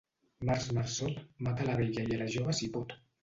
Març marçot, mata a la vella i a la jove si pot.